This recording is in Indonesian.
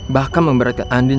bahkan memberatkan andin